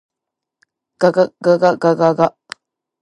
ががががががが。